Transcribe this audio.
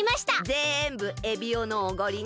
ぜんぶエビオのおごりね！